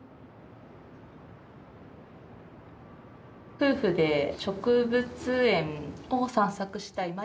夫婦で植物園を散策したい。